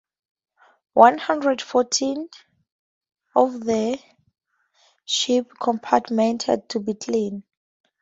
One hundred fourteen of the ship's compartments had to be cleaned.